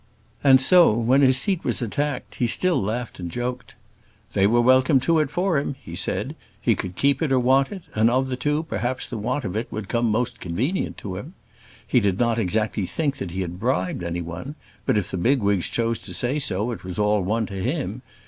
And so, when his seat was attacked, he still laughed and joked. "They were welcome to it for him," he said; "he could keep it or want it; and of the two, perhaps, the want of it would come most convenient to him. He did not exactly think that he had bribed any one; but if the bigwigs chose to say so, it was all one to him.